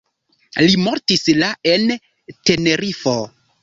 Li mortis la en Tenerifo.